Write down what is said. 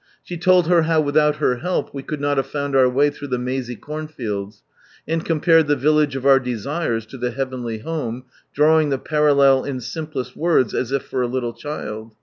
She told her how without her help we could not have found our way through the mazy cornfields, and compared the village of our desires to the heavenly home, drawing the parallel in simplest words, as if for a little child.